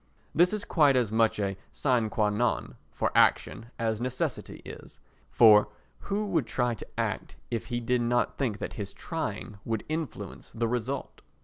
This is quite as much a sine qua non for action as necessity is; for who would try to act if he did not think that his trying would influence the result?